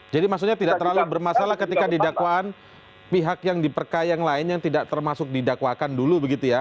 jadi maksudnya tidak terlalu bermasalah ketika di dakwaan pihak yang diperkaya yang lain yang tidak termasuk didakwakan dulu begitu ya